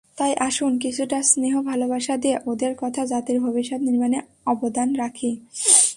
তাই আসুন, কিছুটা স্নেহ–ভালোবাসা দিয়ে ওদের তথা জাতির ভবিষ্যৎ নির্মাণে অবদান রাখি।